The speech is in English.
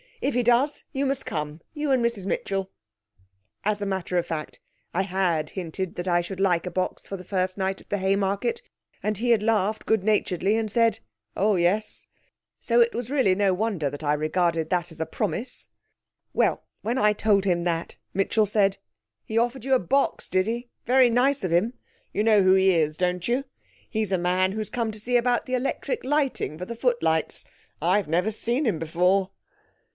If he does you must come, you and Mrs Mitchell." As a matter of fact, I had hinted that I should like a box for the First Night at the Haymarket, and he had laughed good naturedly, and said, "Oh, yes." So it was really no wonder that I regarded that as a promise. Well, when I told him that, Mitchell said, "He offered you a box, did he? Very nice of him. You know who he is, don't you? He's a man who has come to see about the electric lighting for the footlights. I've never seen him before."